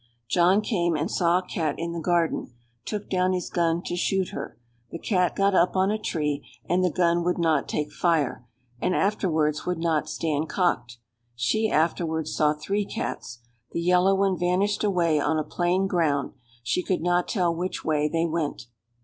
John came and saw a cat in the garden—took down his gun to shoot her; the cat got up on a tree, and the gun would not take fire, and afterwards would not stand cocked. She afterwards saw three cats; the yellow one vanished away on a plain ground; she could not tell which way they went.